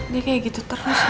dia kayak gitu terus